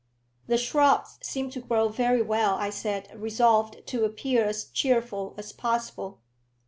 "The shrubs seem to grow very well," I said, resolved to appear as cheerful as possible.